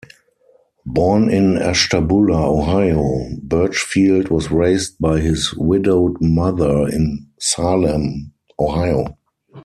Born in Ashtabula, Ohio, Burchfield was raised by his widowed mother in Salem, Ohio.